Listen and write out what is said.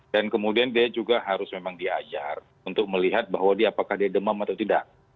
dan kemudian dia juga harus memang diajar untuk melihat bahwa dia apakah dia demam atau tidak